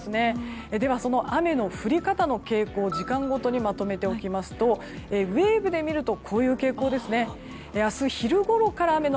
その雨の降り方の傾向時間ごとにまとめておきますとウェーブで見るとこういう感じです。